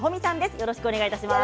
よろしくお願いします。